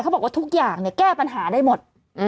เขาบอกว่าทุกอย่างเนี่ยแก้ปัญหาได้หมด